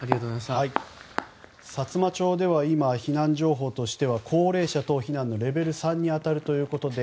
さつま町は今、避難情報としては高齢者等避難のレベル３に当たるということです。